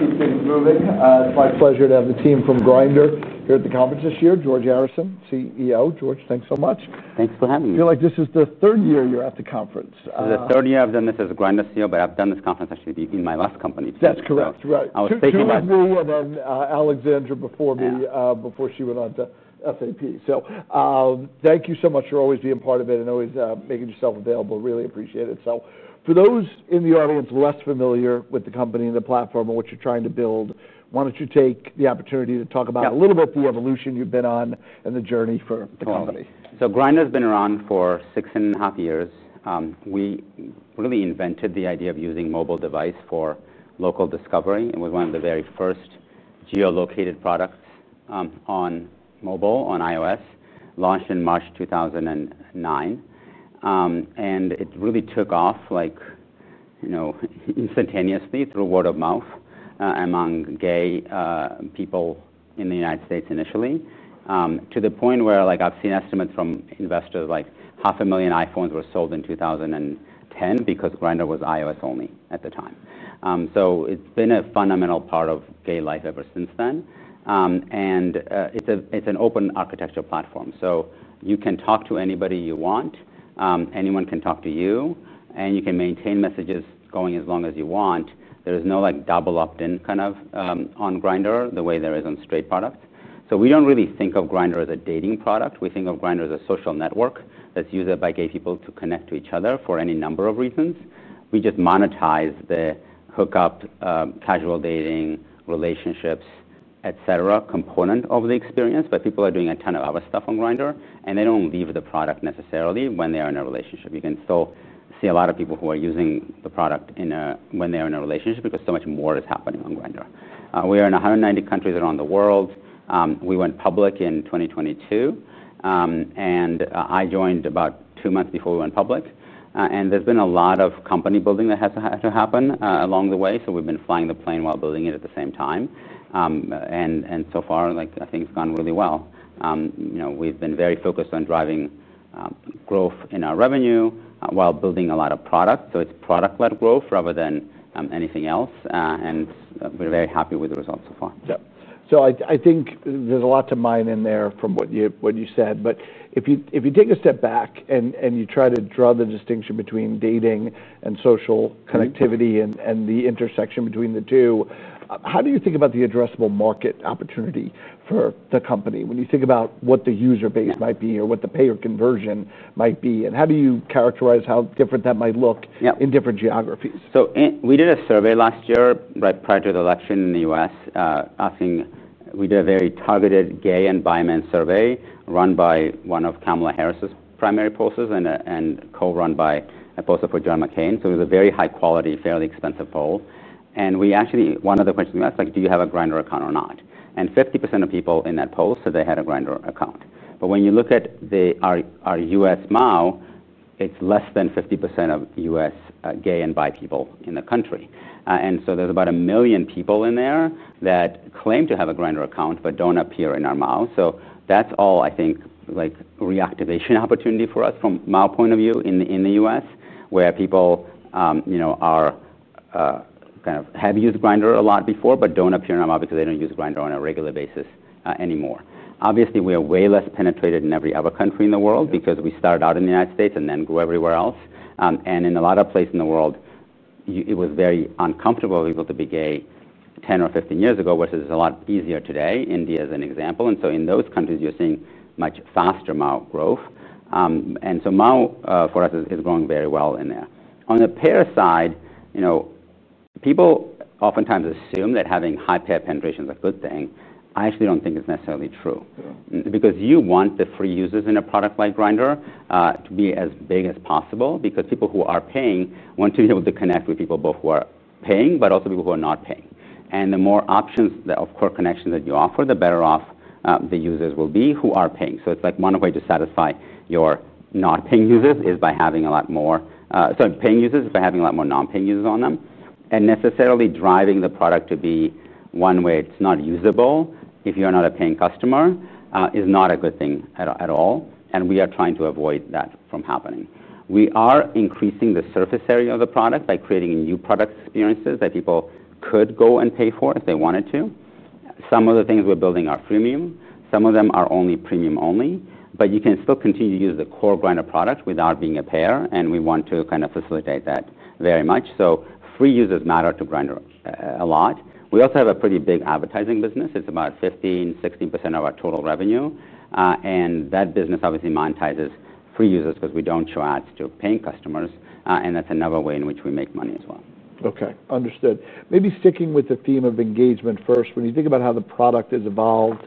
It's my pleasure to have the team from Grindr here at the conference this year. George Arison, CEO. George, thanks so much. Thanks for having me. I feel like this is the third year you're at the conference. the third year I've done this as Grindr CEO, but I've done this conference actually in my last company. That's correct. I was speaking with Roam and then Alexandra before me, before she went on to SAP. Thank you so much for always being part of it and always making yourself available. Really appreciate it. For those in the audience less familiar with the company and the platform and what you're trying to build, why don't you take the opportunity to talk about a little bit of the evolution you've been on and the journey for the company? Grindr has been around for six and a half years. We really invented the idea of using a mobile device for local discovery, and we were one of the very first geo-located products on mobile, on iOS, launched in March 2009. It really took off, like, you know, instantaneously through word of mouth among gay people in the United States initially, to the point where, like, I've seen estimates from investors, like half a million iPhones were sold in 2010 because Grindr was iOS only at the time. It's been a fundamental part of gay life ever since then. It's an open architecture platform, so you can talk to anybody you want. Anyone can talk to you, and you can maintain messages going as long as you want. There's no, like, double opt-in kind of on Grindr the way there is on straight products. We don't really think of Grindr as a dating product. We think of Grindr as a social network that's used by gay people to connect to each other for any number of reasons. We just monetize the hookup, casual dating, relationships, et cetera, component of the experience. People are doing a ton of other stuff on Grindr, and they don't leave the product necessarily when they are in a relationship. You can still see a lot of people who are using the product when they are in a relationship because so much more is happening on Grindr. We are in 190 countries around the world. We went public in 2022, and I joined about two months before we went public. There's been a lot of company building that had to happen along the way. We've been flying the plane while building it at the same time. So far, like, things have gone really well. We've been very focused on driving growth in our revenue while building a lot of products. It's product-led growth rather than anything else, and we're very happy with the results so far. I think there's a lot to mine in there from what you said. If you take a step back and you try to draw the distinction between dating and social connectivity and the intersection between the two, how do you think about the addressable market opportunity for the company when you think about what the user base might be or what the payer conversion might be? How do you characterize how different that might look in different geographies? We did a survey last year right prior to the election in the U.S. asking—we did a very targeted gay and bi men survey run by one of Kamala Harris's primary pollsters and co-run by a pollster for John McCain. It was a very high quality, fairly expensive poll. One of the questions we asked was, do you have a Grindr account or not? 50% of people in that poll said they had a Grindr account. When you look at our U.S. MAU, it's less than 50% of U.S. gay and bi people in the country. There are about a million people in there that claim to have a Grindr account but don't appear in our MAU. That is all, I think, a reactivation opportunity for us from an MAU point of view in the U.S., where people have used Grindr a lot before but don't appear in our MAU because they don't use Grindr on a regular basis anymore. Obviously, we are way less penetrated in every other country in the world because we started out in the United States and then grew everywhere else. In a lot of places in the world, it was very uncomfortable to be gay 10 or 15 years ago versus it's a lot easier today. India is an example. In those countries, you're seeing much faster MAU growth. MAU for us is growing very well in there. On the payer side, people oftentimes assume that having high payer penetrations is a good thing. I actually don't think it's necessarily true because you want the free users in a product like Grindr to be as big as possible. People who are paying want to be able to connect with people both who are paying but also people who are not paying. The more options of core connections that you offer, the better off the users will be who are paying. One way to satisfy your paying users is by having a lot more non-paying users on them. Necessarily driving the product to be one way—it's not usable if you are not a paying customer—is not a good thing at all. We are trying to avoid that from happening. We are increasing the surface area of the product by creating new product experiences that people could go and pay for if they wanted to. Some of the things we're building are freemium. Some of them are only premium only. You can still continue to use the core Grindr product without being a payer, and we want to facilitate that very much. Free users matter to Grindr a lot. We also have a pretty big advertising business. It's about 15% to 16% of our total revenue. That business obviously monetizes free users because we don't show ads to paying customers. That's another way in which we make money as well. Okay. Understood. Maybe sticking with the theme of engagement first, when you think about how the product has evolved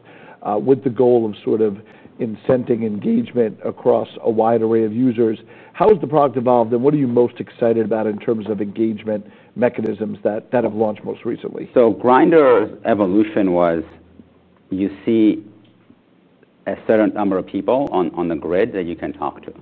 with the goal of sort of incenting engagement across a wide array of users, how has the product evolved, and what are you most excited about in terms of engagement mechanisms that have launched most recently? Grindr's evolution was you see a certain number of people on the grid that you can talk to.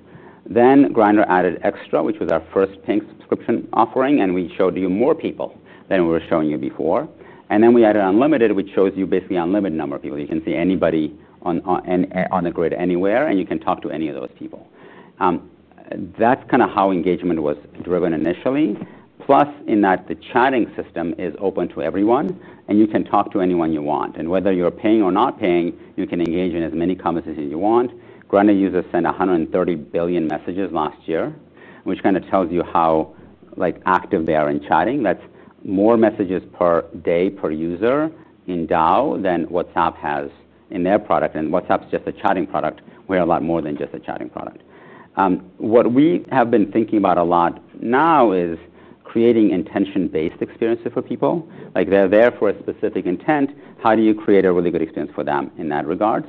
Then Grindr added Extra, which was our first pink subscription offering, and we showed you more people than we were showing you before. Then we added Unlimited, which shows you basically an unlimited number of people. You can see anybody on the grid anywhere, and you can talk to any of those people. That's kind of how engagement was driven initially. Plus, the chatting system is open to everyone, and you can talk to anyone you want. Whether you're paying or not paying, you can engage in as many conversations as you want. Grindr users sent 130 billion messages last year, which kind of tells you how active they are in chatting. That's more messages per day per user in DAU than WhatsApp has in their product. WhatsApp's just a chatting product. We're a lot more than just a chatting product. What we have been thinking about a lot now is creating intention-based experiences for people. Like they're there for a specific intent. How do you create a really good experience for them in that regard?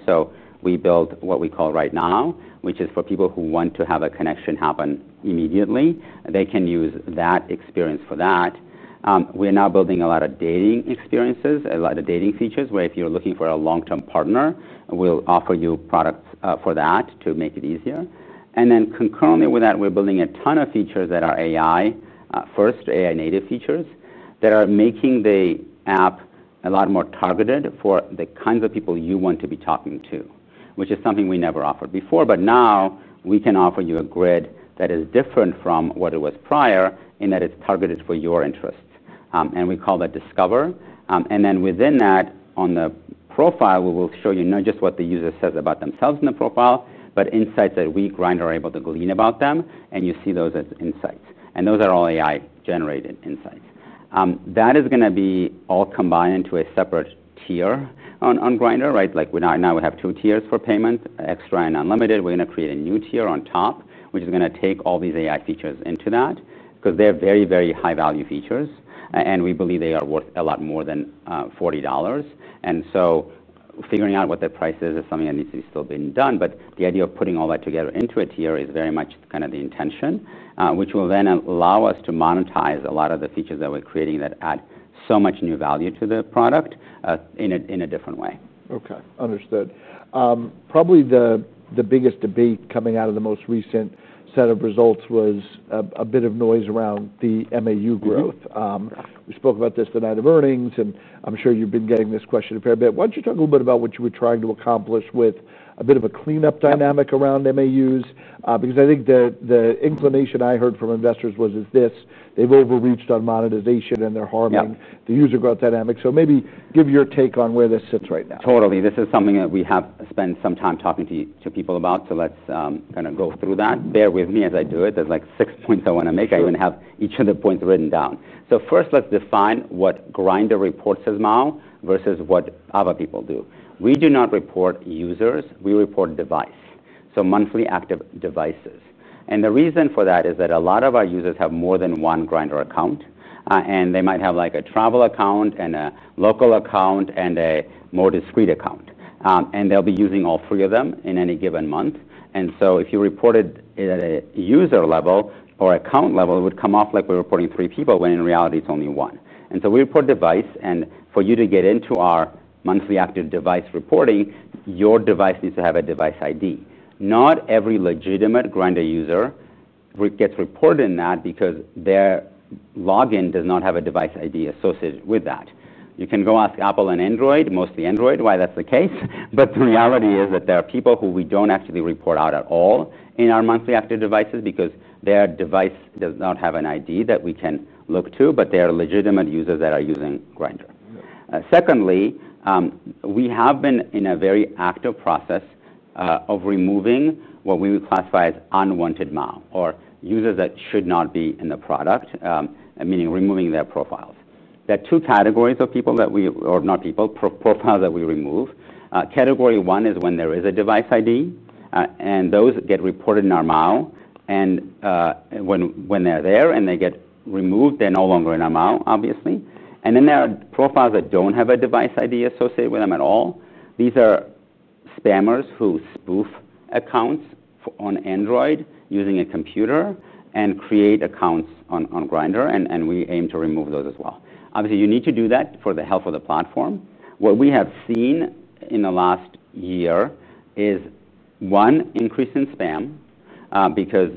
We built what we call Right Now, which is for people who want to have a connection happen immediately. They can use that experience for that. We're now building a lot of dating experiences, a lot of dating features where if you're looking for a long-term partner, we'll offer you products for that to make it easier. Concurrently with that, we're building a ton of features that are AI-first, AI-native features that are making the app a lot more targeted for the kinds of people you want to be talking to, which is something we never offered before. Now we can offer you a grid that is different from what it was prior in that it's targeted for your interests. We call that Discover. Within that, on the profile, we will show you not just what the user says about themselves in the profile, but insights that we Grindr are able to glean about them. You see those as insights. Those are all AI-generated insights. That is going to be all combined into a separate tier on Grindr, right? Now we have two tiers for payment, Extra and Unlimited. We're going to create a new tier on top, which is going to take all these AI features into that because they're very, very high-value features. We believe they are worth a lot more than $40. Figuring out what the price is is something that needs to be still being done. The idea of putting all that together into a tier is very much kind of the intention, which will then allow us to monetize a lot of the features that we're creating that add so much new value to the product in a different way. Okay. Understood. Probably the biggest debate coming out of the most recent set of results was a bit of noise around the MAU growth. We spoke about this the night of earnings, and I'm sure you've been getting this question a fair bit. Why don't you talk a little bit about what you were trying to accomplish with a bit of a cleanup dynamic around MAUs? I think the inclination I heard from investors was this, they've overreached on monetization and they're harming the user growth dynamics. Maybe give your take on where this sits right now. Totally. This is something that we have spent some time talking to people about. Let's kind of go through that. Bear with me as I do it. There are like six points I want to make. I even have each of the points written down. First, let's define what Grindr reports as MAU versus what other people do. We do not report users. We report device. So, monthly active devices. The reason for that is that a lot of our users have more than one Grindr account. They might have a travel account and a local account and a more discrete account. They'll be using all three of them in any given month. If you reported at a user level or account level, it would come off like we're reporting three people when in reality it's only one. We report device. For you to get into our monthly active device reporting, your device needs to have a device ID. Not every legitimate Grindr user gets reported in that because their login does not have a device ID associated with it. You can go ask Apple and Android, mostly Android, why that's the case. The reality is that there are people who we don't actually report out at all in our monthly active devices because their device does not have an ID that we can look to, but they are legitimate users that are using Grindr. Secondly, we have been in a very active process of removing what we would classify as unwanted MAU or users that should not be in the product, meaning removing their profiles. There are two categories of profiles that we remove. Category one is when there is a device ID, and those get reported in our MAU. When they're there and they get removed, they're no longer in our MAU, obviously. Then there are profiles that don't have a device ID associated with them at all. These are spammers who spoof accounts on Android using a computer and create accounts on Grindr. We aim to remove those as well. Obviously, you need to do that for the health of the platform. What we have seen in the last year is, one, increase in spam because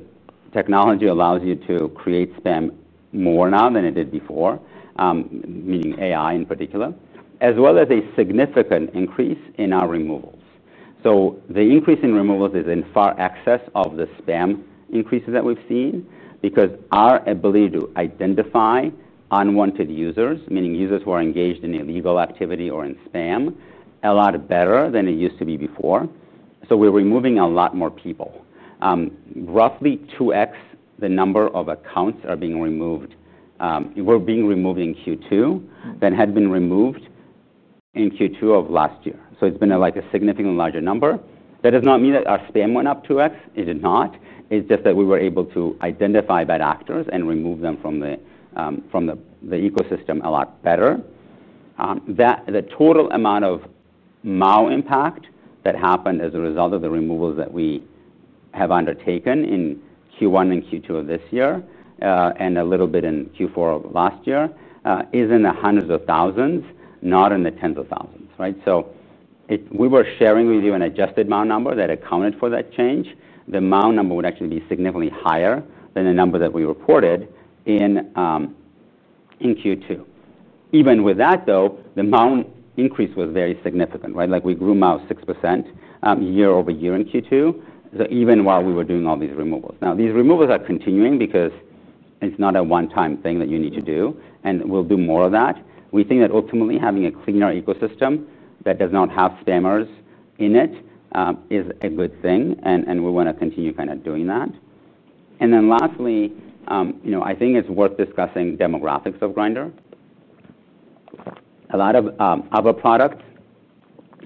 technology allows you to create spam more now than it did before, meaning AI in particular, as well as a significant increase in our removals. The increase in removals is in far excess of the spam increases that we've seen because our ability to identify unwanted users, meaning users who are engaged in illegal activity or in spam, is a lot better than it used to be before. We're removing a lot more people. Roughly 2x the number of accounts are being removed. We're being removed in Q2 than had been removed in Q2 of last year. It's been a significantly larger number. That does not mean that our spam went up 2x. It did not. It's just that we were able to identify bad actors and remove them from the ecosystem a lot better. The total amount of MAU impact that happened as a result of the removals that we have undertaken in Q1 and Q2 of this year and a little bit in Q4 of last year is in the hundreds of thousands, not in the tens of thousands, right? If we were sharing with you an adjusted MAU number that accounted for that change, the MAU number would actually be significantly higher than the number that we reported in Q2. Even with that, though, the MAU increase was very significant, right? We grew MAU 6% year over year in Q2, even while we were doing all these removals. These removals are continuing because it's not a one-time thing that you need to do. We'll do more of that. We think that ultimately having a cleaner ecosystem that does not have spammers in it is a good thing. We want to continue kind of doing that. Lastly, I think it's worth discussing demographics of Grindr. A lot of other products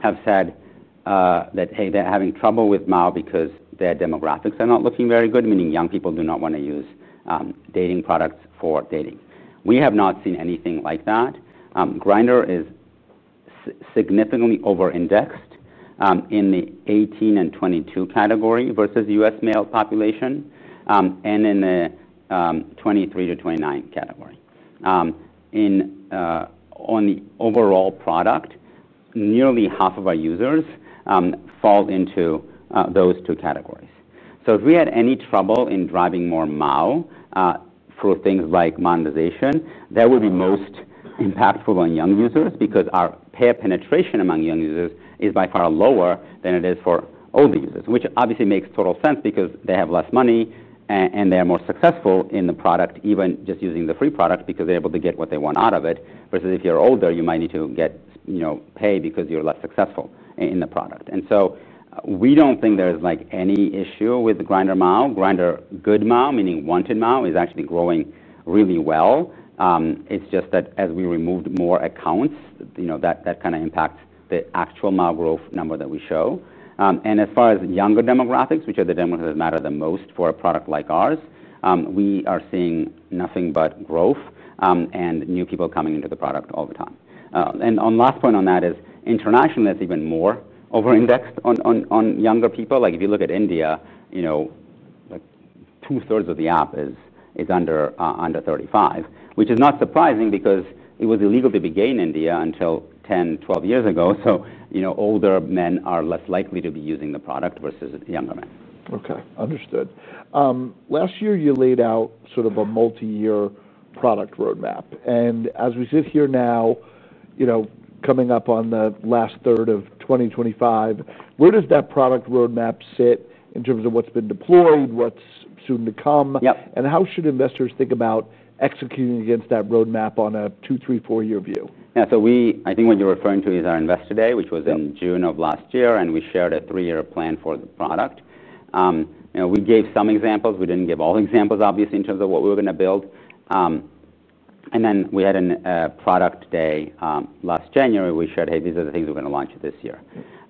have said that, hey, they're having trouble with MAU because their demographics are not looking very good, meaning young people do not want to use dating products for dating. We have not seen anything like that. Grindr is significantly over-indexed in the 18 and 22 category versus the U.S. male population and in the 23 to 29 category. On the overall product, nearly half of our users fall into those two categories. If we had any trouble in driving more MAU through things like monetization, that would be most impactful on young users because our payer penetration among young users is by far lower than it is for older users, which obviously makes total sense because they have less money and they are more successful in the product, even just using the free product because they're able to get what they want out of it. Versus if you're older, you might need to get paid because you're less successful in the product. We don't think there's any issue with Grindr MAU. Grindr good MAU, meaning wanted MAU, is actually growing really well. It's just that as we removed more accounts, that kind of impacts the actual MAU growth number that we show. As far as younger demographics, which are the demographics that matter the most for a product like ours, we are seeing nothing but growth and new people coming into the product all the time. The last point on that is internationally, it's even more over-indexed on younger people. If you look at India, like two-thirds of the app is under 35, which is not surprising because it was illegal to be gay in India until 10 or 12 years ago. Older men are less likely to be using the product versus younger men. Okay. Understood. Last year, you laid out sort of a multi-year product roadmap. As we sit here now, coming up on the last third of 2025, where does that product roadmap sit in terms of what's been deployed, what's soon to come, and how should investors think about executing against that roadmap on a two, three, four-year view? Yeah. I think what you're referring to is our Investor Day, which was in June of last year, and we shared a three-year plan for the product. We gave some examples. We didn't give all the examples, obviously, in terms of what we were going to build. We had a Product Day last January. We shared, hey, these are the things we're going to launch this year.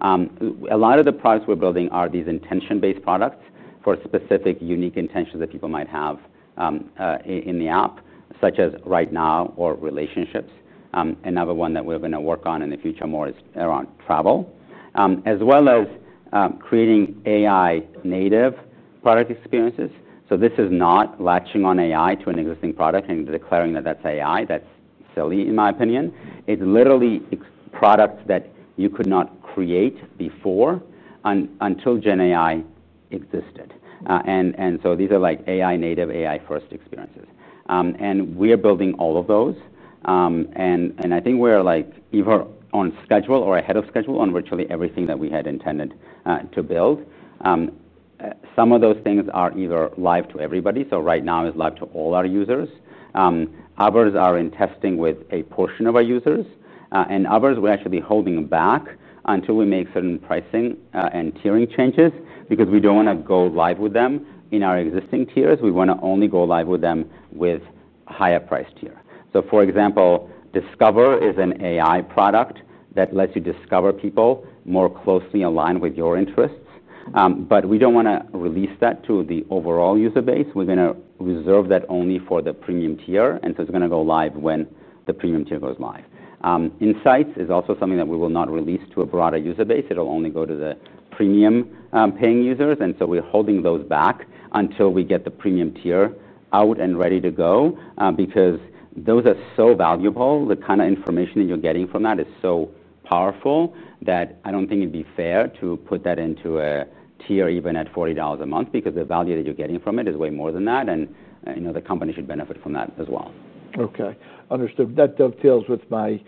A lot of the products we're building are these intention-based products for specific unique intentions that people might have in the app, such as Right Now or Relationships. Another one that we're going to work on in the future more is around travel, as well as creating AI-native product experiences. This is not latching on AI to an existing product and declaring that that's AI. That's silly, in my opinion. It's literally products that you could not create before until GenAI existed. These are like AI-native, AI-first experiences. We are building all of those. I think we're either on schedule or ahead of schedule on virtually everything that we had intended to build. Some of those things are either live to everybody. Right Now is live to all our users. Others are in testing with a portion of our users. Others, we're actually holding back until we make certain pricing and tiering changes because we don't want to go live with them in our existing tiers. We want to only go live with them with a higher price tier. For example, Discover is an AI product that lets you discover people more closely aligned with your interests. We don't want to release that to the overall user base. We're going to reserve that only for the premium tier. It's going to go live when the premium tier goes live. Insights is also something that we will not release to a broader user base. It'll only go to the premium paying users. We're holding those back until we get the premium tier out and ready to go because those are so valuable. The kind of information that you're getting from that is so powerful that I don't think it'd be fair to put that into a tier even at $40 a month because the value that you're getting from it is way more than that. The company should benefit from that as well. Okay. Understood. That dovetails with my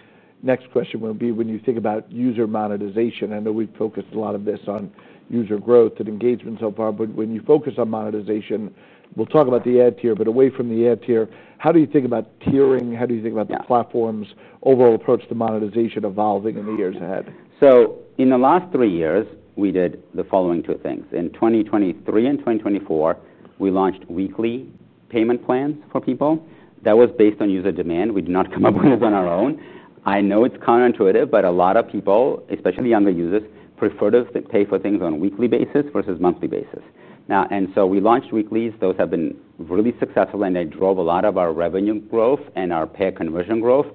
next question, when you think about user monetization. I know we've focused a lot of this on user growth and engagement so far. When you focus on monetization, we'll talk about the ad tier, but away from the ad tier, how do you think about tiering? How do you think about the platform's overall approach to monetization evolving in the years ahead? In the last three years, we did the following two things. In 2023 and 2024, we launched weekly payment plans for people. That was based on user demand. We did not come up with those on our own. I know it's counterintuitive, but a lot of people, especially younger users, prefer to pay for things on a weekly basis versus a monthly basis. We launched weeklies. Those have been really successful, and they drove a lot of our revenue growth and our payer conversion growth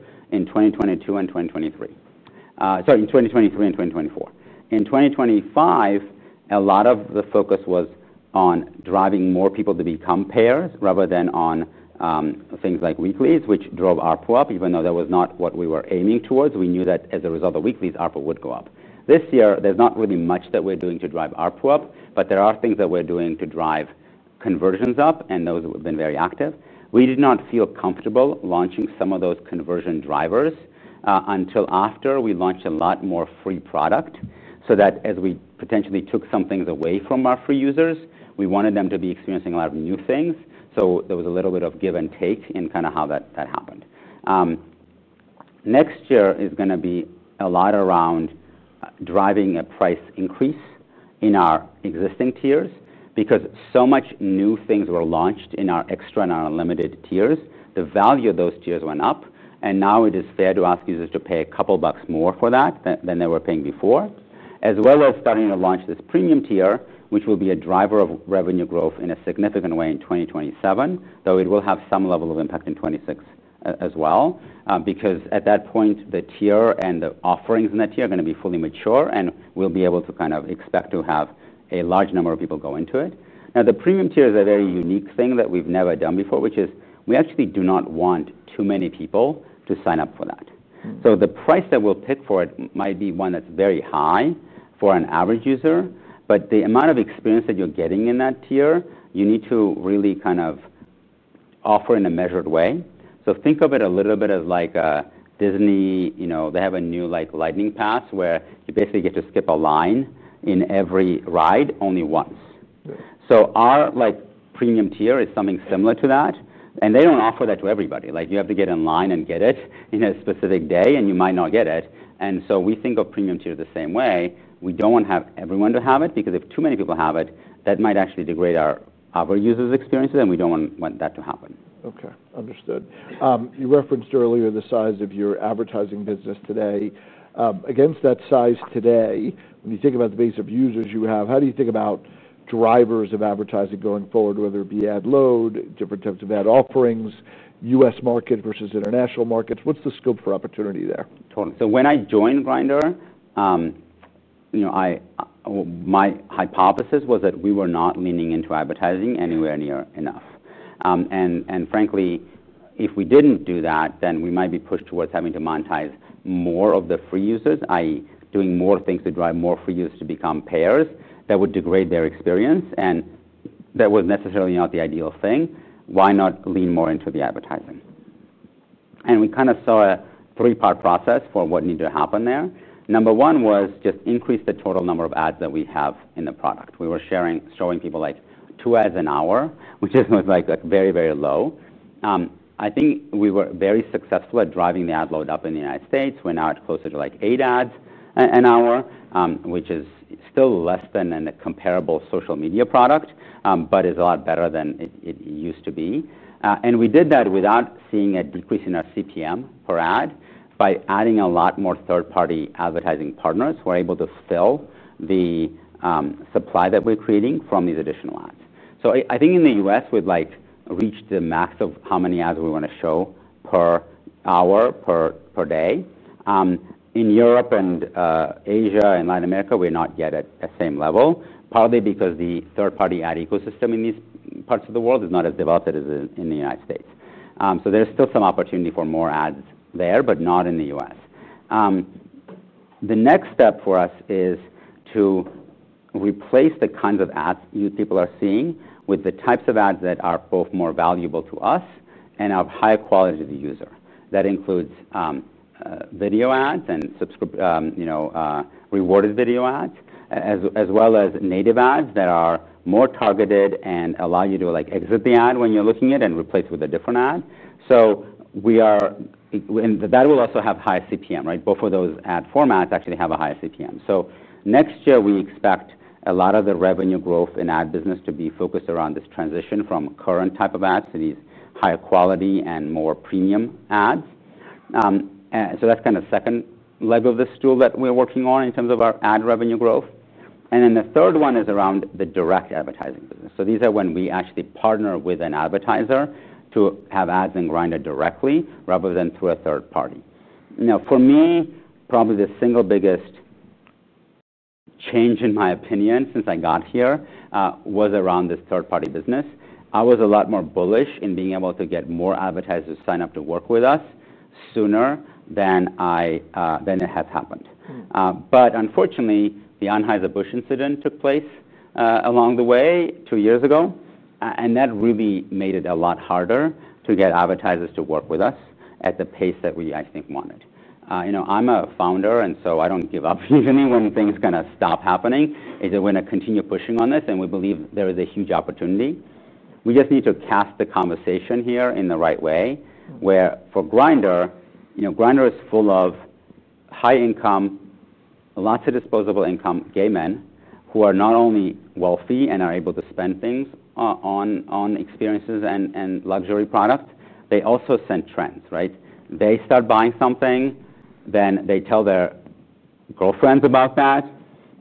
in 2023 and 2024. In 2025, a lot of the focus was on driving more people to become payers rather than on things like weeklies, which drove ARPU up, even though that was not what we were aiming towards. We knew that as a result of weeklies, ARPU would go up. This year, there's not really much that we're doing to drive ARPU up, but there are things that we're doing to drive conversions up, and those have been very active. We did not feel comfortable launching some of those conversion drivers until after we launched a lot more free product so that as we potentially took some things away from our free users, we wanted them to be experiencing a lot of new things. There was a little bit of give and take in kind of how that happened. Next year is going to be a lot around driving a price increase in our existing tiers because so much new things were launched in our Extra and our Unlimited tiers. The value of those tiers went up. Now it is fair to ask users to pay a couple bucks more for that than they were paying before, as well as starting to launch this premium tier, which will be a driver of revenue growth in a significant way in 2027. Though it will have some level of impact in 2026 as well, because at that point, the tier and the offerings in that tier are going to be fully mature, and we'll be able to kind of expect to have a large number of people go into it. The premium tier is a very unique thing that we've never done before, which is we actually do not want too many people to sign up for that. The price that we'll pick for it might be one that's very high for an average user, but the amount of experience that you're getting in that tier, you need to really kind of offer in a measured way. Think of it a little bit as like a Disney, you know, they have a new lightning pass where you basically get to skip a line in every ride only once. Our premium tier is something similar to that. They don't offer that to everybody. You have to get in line and get it on a specific day, and you might not get it. We think of premium tier the same way. We don't want everyone to have it because if too many people have it, that might actually degrade our users' experiences, and we don't want that to happen. Okay. Understood. You referenced earlier the size of your advertising business today. Against that size today, when you think about the base of users you have, how do you think about drivers of advertising going forward, whether it be ad load, different types of ad offerings, U.S. market versus international markets? What's the scope for opportunity there? Totally. When I joined Grindr, my hypothesis was that we were not leaning into advertising anywhere near enough. Frankly, if we didn't do that, then we might be pushed towards having to monetize more of the free users, i.e., doing more things to drive more free users to become payers. That would degrade their experience, and that was necessarily not the ideal thing. Why not lean more into the advertising? We kind of saw a three-part process for what needed to happen there. Number one was just increase the total number of ads that we have in the product. We were showing people like two ads an hour, which was very, very low. I think we were very successful at driving the ad load up in the U.S. We're now closer to eight ads an hour, which is still less than a comparable social media product, but it's a lot better than it used to be. We did that without seeing a decrease in our CPM per ad. By adding a lot more third-party advertising partners, we're able to fill the supply that we're creating from these additional ads. In the U.S., we'd reach the max of how many ads we want to show per hour, per day. In Europe and Asia and Latin America, we're not yet at the same level, partly because the third-party ad ecosystem in these parts of the world is not as developed as it is in the U.S. There's still some opportunity for more ads there, but not in the U.S. The next step for us is to replace the kinds of ads people are seeing with the types of ads that are both more valuable to us and of higher quality to the user. That includes video ads and rewarded video ads, as well as native ads that are more targeted and allow you to exit the ad when you're looking at it and replace it with a different ad. That will also have high CPM, right? Both of those ad formats actually have a high CPM. Next year, we expect a lot of the revenue growth in ad business to be focused around this transition from current type of ads to these higher quality and more premium ads. That's kind of the second leg of the stool that we're working on in terms of our ad revenue growth. The third one is around the direct advertising business. These are when we actually partner with an advertiser to have ads in Grindr directly rather than through a third party. For me, probably the single biggest change in my opinion since I got here was around this third-party business. I was a lot more bullish in being able to get more advertisers to sign up to work with us sooner than it had happened. Unfortunately, the Anheuser-Busch incident took place along the way two years ago. That really made it a lot harder to get advertisers to work with us at the pace that we, I think, wanted. You know, I'm a founder, and so I don't give up. Usually, when things are going to stop happening is when I continue pushing on this. We believe there is a huge opportunity. We just need to cast the conversation here in the right way, where for Grindr, you know, Grindr is full of high income, lots of disposable income, gay men who are not only wealthy and are able to spend things on experiences and luxury products. They also set trends, right? They start buying something, then they tell their girlfriends about that.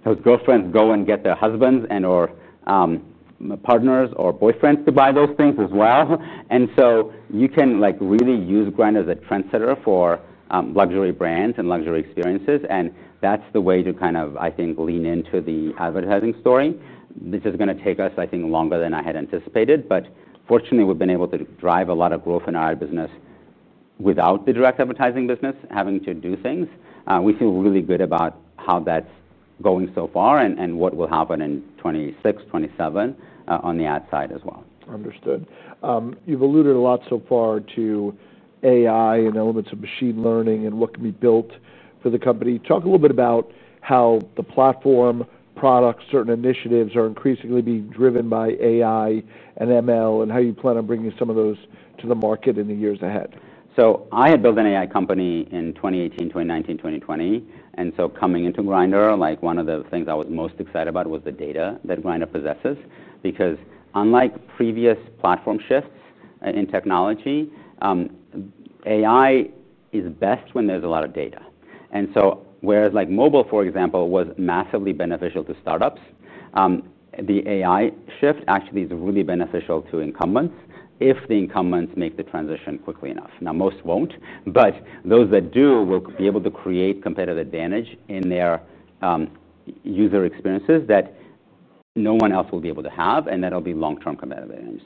Those girlfriends go and get their husbands and/or partners or boyfriends to buy those things as well. You can really use Grindr as a trendsetter for luxury brands and luxury experiences. That's the way to, I think, lean into the advertising story. This is going to take us, I think, longer than I had anticipated. Fortunately, we've been able to drive a lot of growth in our ad business without the direct advertising business having to do things. We feel really good about how that's going so far and what will happen in 2026, 2027 on the ad side as well. Understood. You've alluded a lot so far to AI and elements of machine learning and what can be built for the company. Talk a little bit about how the platform products, certain initiatives are increasingly being driven by AI and ML, and how you plan on bringing some of those to the market in the years ahead. I had built an AI company in 2018, 2019, 2020. Coming into Grindr, one of the things I was most excited about was the data that Grindr possesses because unlike previous platform shifts in technology, AI is best when there's a lot of data. Whereas mobile, for example, was massively beneficial to startups, the AI shift actually is really beneficial to incumbents if the incumbents make the transition quickly enough. Most won't, but those that do will be able to create competitive advantage in their user experiences that no one else will be able to have, and that'll be long-term competitive.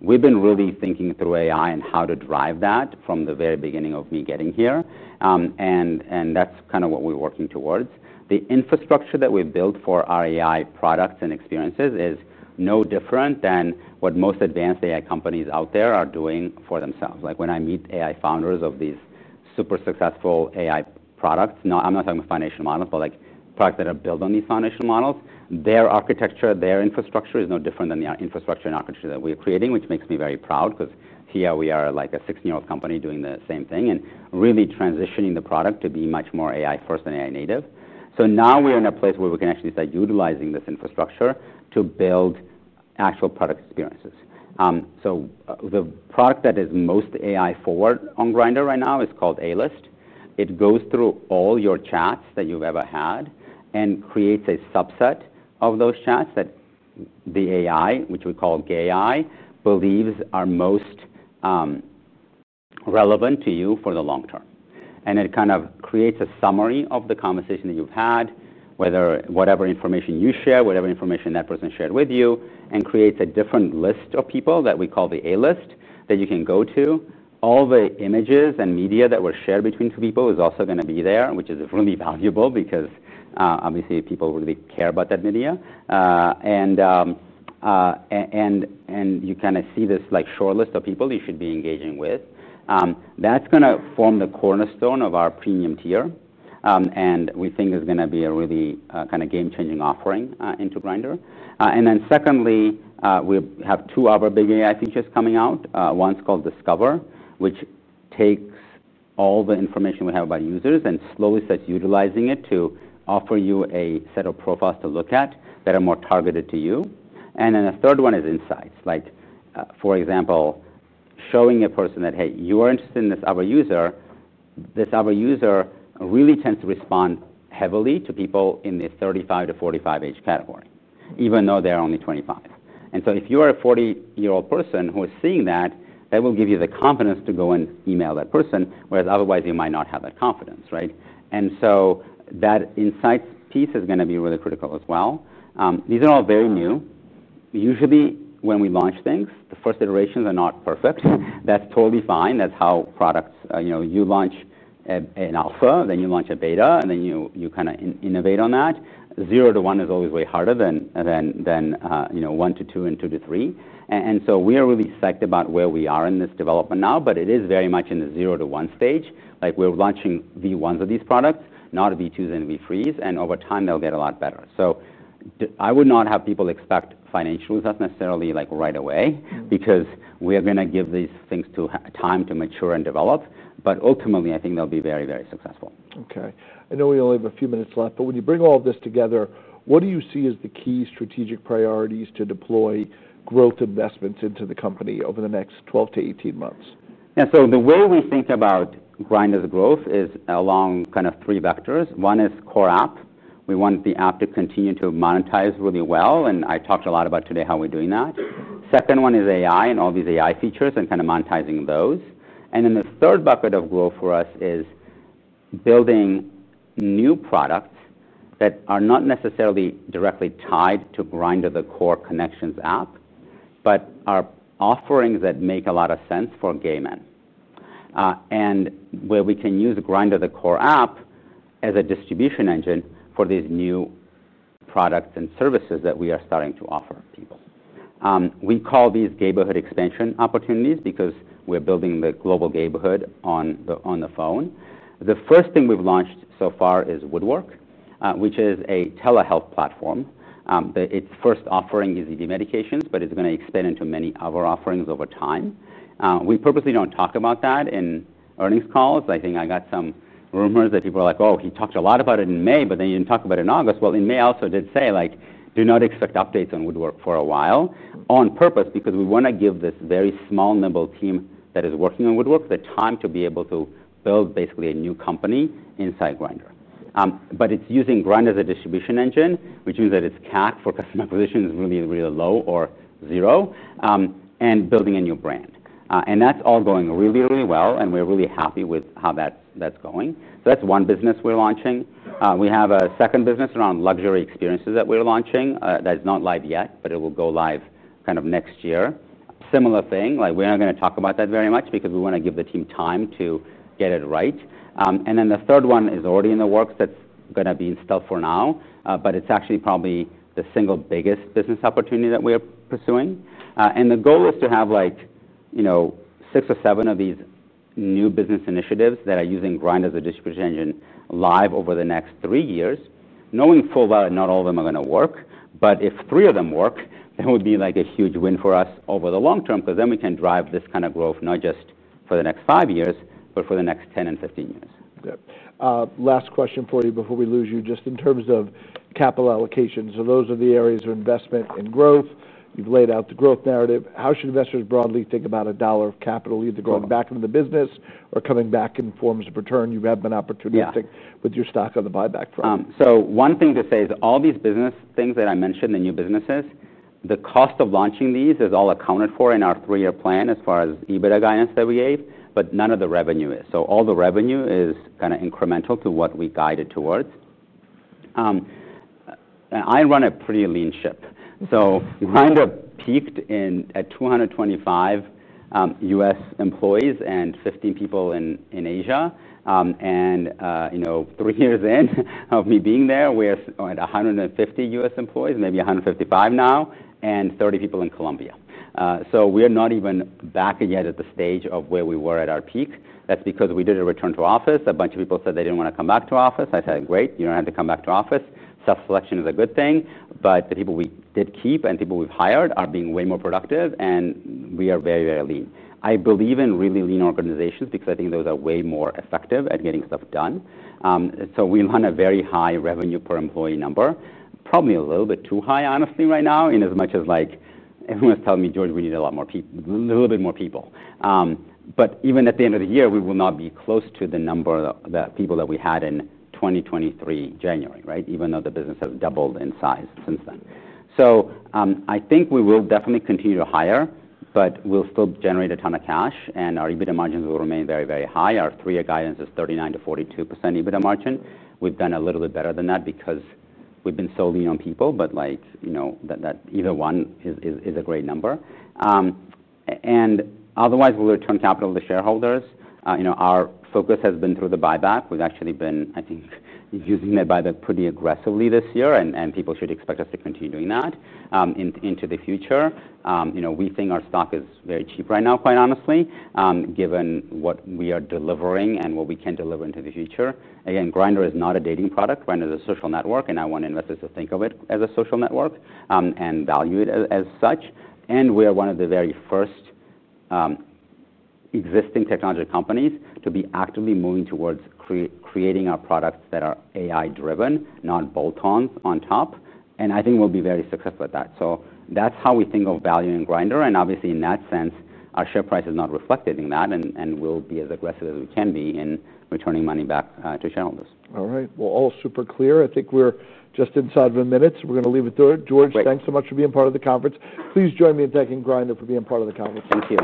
We've been really thinking through AI and how to drive that from the very beginning of me getting here. That's kind of what we're working towards. The infrastructure that we've built for our AI products and experiences is no different than what most advanced AI companies out there are doing for themselves. When I meet AI founders of these super successful AI products, I'm not talking about foundational models, but products that are built on these foundational models, their architecture, their infrastructure is no different than the infrastructure and architecture that we're creating, which makes me very proud because here we are, a 16-year-old company doing the same thing and really transitioning the product to be much more AI-first and AI-native. Now we're in a place where we can actually start utilizing this infrastructure to build actual product experiences. The product that is most AI-forward on Grindr right now is called A-List. It goes through all your chats that you've ever had and creates a subset of those chats that the AI, which we call GAI, believes are most relevant to you for the long term. It creates a summary of the conversation that you've had, whatever information you share, whatever information that person shared with you, and creates a different list of people that we call the A-List that you can go to. All the images and media that were shared between two people is also going to be there, which is really valuable because obviously, people really care about that media. You see this shortlist of people you should be engaging with. That's going to form the cornerstone of our premium tier. We think it's going to be a really kind of game-changing offering into Grindr. We have two other big AI features coming out. One's called Discover, which takes all the information we have about users and slowly starts utilizing it to offer you a set of profiles to look at that are more targeted to you. The third one is Insights. For example, showing a person that, hey, you are interested in this other user. This other user really tends to respond heavily to people in the 35 to 45 age category, even though they're only 25. If you are a 40-year-old person who is seeing that, that will give you the confidence to go and email that person, whereas otherwise, you might not have that confidence, right? That Insights piece is going to be really critical as well. These are all very new. Usually, when we launch things, the first iterations are not perfect. That's totally fine. That's how products, you launch an alpha, then you launch a beta, and then you kind of innovate on that. Zero to one is always way harder than one to two and two to three. We are really psyched about where we are in this development now, but it is very much in the zero to one stage. We're launching V1s of these products, not V2s and V3s, and over time, they'll get a lot better. I would not have people expect financial results necessarily right away because we are going to give these things time to mature and develop. Ultimately, I think they'll be very, very successful. Okay. I know we only have a few minutes left, but when you bring all of this together, what do you see as the key strategic priorities to deploy growth investments into the company over the next 12 to 18 months? Yeah. The way we think about Grindr's growth is along kind of three vectors. One is core app. We want the app to continue to monetize really well. I talked a lot about today how we're doing that. The second one is AI and all these AI features and kind of monetizing those. The third bucket of growth for us is building new products that are not necessarily directly tied to Grindr, the core connections app, but are offerings that make a lot of sense for gay men. We can use Grindr, the core app, as a distribution engine for these new products and services that we are starting to offer people. We call these gay-hood expansion opportunities because we're building the global gay-hood on the phone. The first thing we've launched so far is Woodwork, which is a telehealth platform. Its first offering is easy medications, but it's going to expand into many other offerings over time. We purposely don't talk about that in earnings calls. I think I got some rumors that people were like, oh, he talked a lot about it in May, but then he didn't talk about it in August. In May, I also did say, like, do not expect updates on Woodwork for a while on purpose because we want to give this very small, nimble team that is working on Woodwork the time to be able to build basically a new company inside Grindr. It's using Grindr as a distribution engine, which means that its CAC for customer acquisition is really, really low or zero, and building a new brand. That's all going really, really well, and we're really happy with how that's going. That's one business we're launching. We have a second business around luxury experiences that we're launching that has not lived yet, but it will go live kind of next year. Similar thing, we're not going to talk about that very much because we want to give the team time to get it right. The third one is already in the works that's going to be in stealth for now, but it's actually probably the single biggest business opportunity that we're pursuing. The goal is to have like, you know, six or seven of these new business initiatives that are using Grindr as a distribution engine live over the next three years, knowing full well that not all of them are going to work. If three of them work, that would be like a huge win for us over the long term because then we can drive this kind of growth not just for the next five years, but for the next 10 and 15 years. Yeah. Last question for you before we lose you, just in terms of capital allocation. Those are the areas of investment and growth. You've laid out the growth narrative. How should investors broadly think about a dollar of capital either going back into the business or coming back in forms of return? You have an opportunity to think with your stock on the buyback front. One thing to say is all these business things that I mentioned, the new businesses, the cost of launching these is all accounted for in our three-year plan as far as EBITDA guidance that we gave, but none of the revenue is. All the revenue is kind of incremental to what we guided towards. I run a pretty lean ship. Grindr peaked at 225 U.S. employees and 15 people in Asia. Three years in of me being there, we're at 150 U.S. employees, maybe 155 now, and 30 people in Colombia. We're not even back yet at the stage of where we were at our peak. That's because we did a return to office. A bunch of people said they didn't want to come back to office. I said, great, you don't have to come back to office. Self-selection is a good thing, but the people we did keep and people we've hired are being way more productive, and we are very, very lean. I believe in really lean organizations because I think those are way more effective at getting stuff done. We run a very high revenue per employee number, probably a little bit too high, honestly, right now, in as much as like everyone's telling me, George, we need a lot more people, a little bit more people. Even at the end of the year, we will not be close to the number of people that we had in 2023, January, right? Even though the business has doubled in size since then. I think we will definitely continue to hire, but we'll still generate a ton of cash, and our EBITDA margins will remain very, very high. Our three-year guidance is 39% to 42% EBITDA margin. We've done a little bit better than that because we've been so lean on people, but like, you know, that either one is a great number. Otherwise, we'll return capital to shareholders. Our focus has been through the buyback. We've actually been, I think, using that buyback pretty aggressively this year, and people should expect us to continue doing that into the future. We think our stock is very cheap right now, quite honestly, given what we are delivering and what we can deliver into the future. Again, Grindr is not a dating product. Grindr is a social network, and I want investors to think of it as a social network and value it as such. We are one of the very first existing technology companies to be actively moving towards creating our products that are AI-driven, not bolt-on on top. I think we'll be very successful at that. That's how we think of value in Grindr. Obviously, in that sense, our share price is not reflected in that, and we'll be as aggressive as we can be in returning money back to shareholders. All right. All super clear. I think we're just inside of a minute, so we're going to leave it there. George, thanks so much for being part of the conference. Please join me in thanking Grindr for being part of the conference. Thank you.